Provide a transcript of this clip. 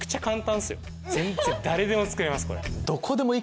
全然誰でも作れますこれ。